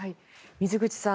水口さん